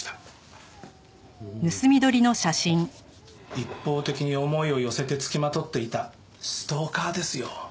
一方的に思いを寄せてつきまとっていたストーカーですよ。